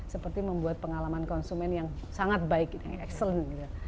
seperti membuat pengalaman konsumen yang sangat baik yang excellent gitu